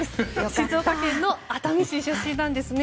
静岡県熱海市出身なんですね。